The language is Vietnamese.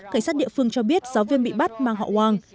cảnh sát địa phương cho biết giáo viên bị bắt mang họ hoàng